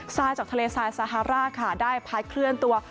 ทรายจากทะเลทรายซาฮาร่าค่ะได้พัดเคลื่อนตัว